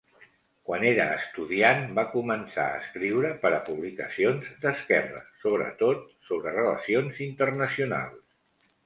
Quan era estudiant, va començar a escriure per a publicacions d'esquerra, sobretot sobre relacions internacionals.